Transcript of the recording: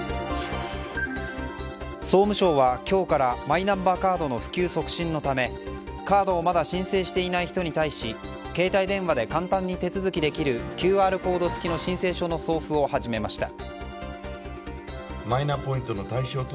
総務省は今日からマイナンバーカードの普及促進のため、カードをまだ申請していない人に対し携帯電話で簡単に手続きできるＱＲコード付きの申請書の交付を始めました。